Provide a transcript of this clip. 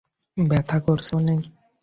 ব্যাথা করছে অনেক!